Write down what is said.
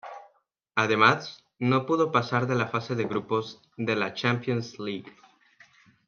Además, no pudo pasar de la fase de grupos de la Champions League.